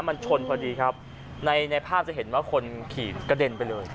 มันชนพอดีครับในในภาพจะเห็นว่าคนขี่กระเด็นไปเลย